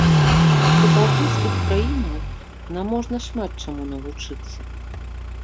У прыбалтыйскіх краінаў нам можна шмат чаму навучыцца.